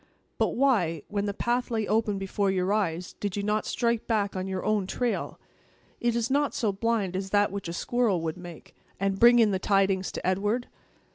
But why, when the path lay open before your eyes, did you not strike back on your own trail (it is not so blind as that which a squirrel would make), and bring in the tidings to Edward?"